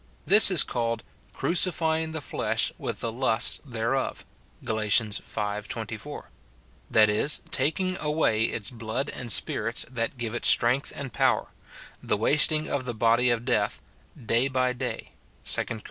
This is called " crucifying the flesh with the lusts thereof," Gal. v. 24; that is, taking away its blood and spirits that give it strength and power, — the wasting of the body of death "day by day," 2 Cor.